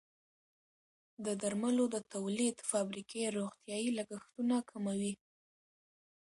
د درملو د تولید فابریکې روغتیايي لګښتونه کموي.